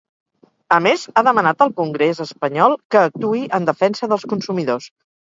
A més, ha demanat al congrés espanyol que actuï en defensa dels consumidors.